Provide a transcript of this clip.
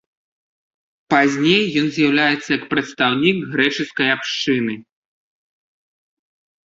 Пазней ён з'яўляецца як прадстаўнік грэчаскай абшчыны.